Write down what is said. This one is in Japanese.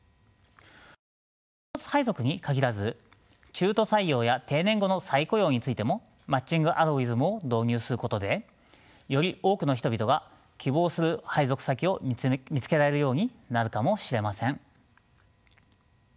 新卒配属に限らず中途採用や定年後の再雇用についてもマッチングアルゴリズムを導入することでより多くの人々が希望する配属先を見つけられるようになるかもしれません。